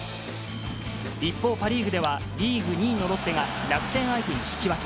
一方、パ・リーグでは、リーグ２位のロッテが、楽天相手に引き分け。